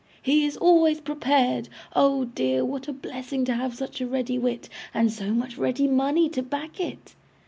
'He is always prepared! Oh dear, what a blessing to have such a ready wit, and so much ready money to back it!